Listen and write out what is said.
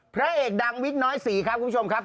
พระเอกดังวิกน้อยศรีครับคุณผู้ชมครับ